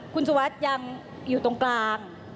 คุณสุวัสดิ์ยังอยู่ตรงกลาง